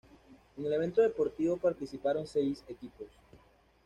En el evento deportivo participaron seis equipos.